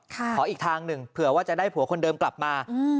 ขออีกทางหนึ่งเผื่อว่าจะได้ผัวคนเดิมกลับมา